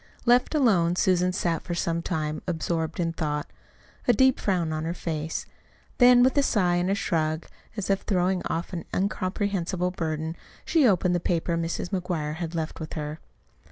Left alone, Susan sat for some time absorbed in thought, a deep frown on her face; then with a sigh and a shrug, as if throwing off an incomprehensible burden, she opened the paper Mrs. McGuire had left with her.